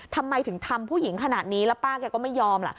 ทำไมถึงทำผู้หญิงขนาดนี้แล้วป้าแกก็ไม่ยอมล่ะ